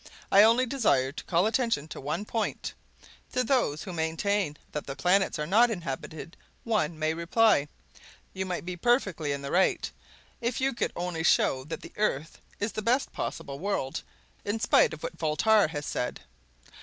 I only desire to call attention to one point. To those who maintain that the planets are not inhabited one may reply: You might be perfectly in the right, if you could only show that the earth is the best possible world, in spite of what Voltaire has said.